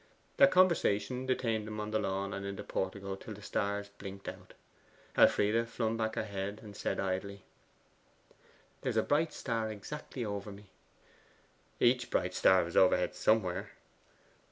Their conversation detained them on the lawn and in the portico till the stars blinked out. Elfride flung back her head, and said idly 'There's a bright star exactly over me.' 'Each bright star is overhead somewhere.